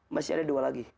masih ada dua lagi